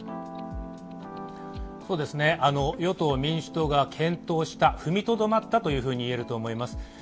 与党・民主党が健闘した、踏みとどまったというふうにいえると思います。